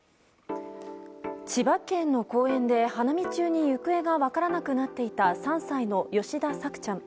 千葉県の公園で花見中に行方が分からなくなっていた３歳の吉田朔ちゃん。